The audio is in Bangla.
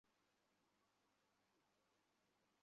এসব ভাষণ আমার দ্বারা হবে না।